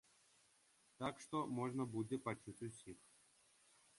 Так што можна будзе пачуць усіх.